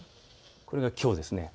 これが、きょうです。